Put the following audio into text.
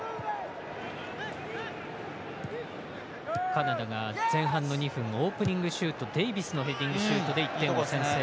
カナダが前半の２分オープニングシュートデイビスのヘディングシュートで１点を先制。